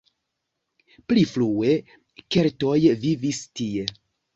Pli frue keltoj vivis tie.